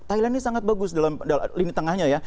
thailand ini sangat bagus dalam lini tengahnya ya